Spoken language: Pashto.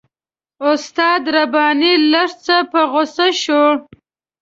استاد رباني لږ څه په غوسه شو.